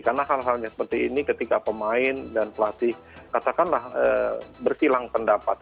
karena hal halnya seperti ini ketika pemain dan pelatih katakanlah berkilang pendamping